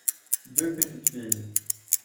Deux petites filles.